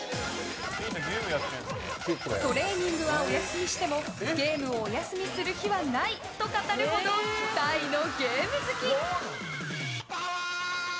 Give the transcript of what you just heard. トレーニングはお休みしてもゲームをお休みする日はないと語るほど大のゲーム好き。